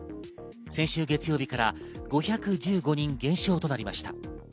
先週月曜日から５１５人減少となりました。